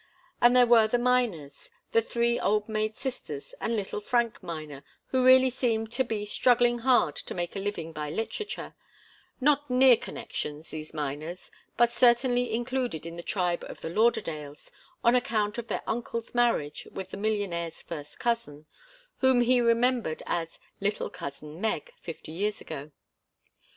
And there were the Miners the three old maid sisters and little Frank Miner, who really seemed to be struggling hard to make a living by literature not near connections, these Miners, but certainly included in the tribe of the Lauderdales on account of their uncle's marriage with the millionaire's first cousin whom he remembered as 'little cousin Meg' fifty years ago.